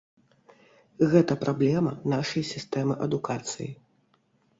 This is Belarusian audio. Гэта праблема нашай сістэмы адукацыі.